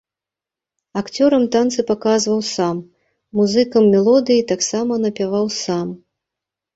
Акцёрам танцы паказваў сам, музыкам мелодыі таксама напяваў сам.